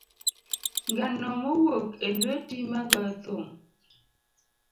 Ngano mowuok e lueti magoyo thum.